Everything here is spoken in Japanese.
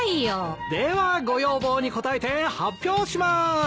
ではご要望に応えて発表しまーす。